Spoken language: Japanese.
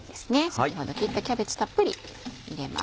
先ほど切ったキャベツたっぷり入れます。